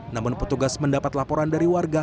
namun petugas mendapat laporan dari warga